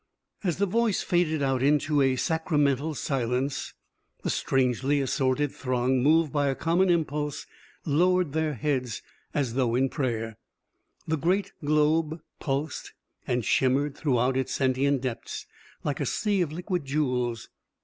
As the Voice faded out into a sacramental silence, the strangely assorted throng, moved by a common impulse, lowered their heads as though in prayer. The great globe pulsed and shimmered throughout its sentient depths like a sea of liquid jewels.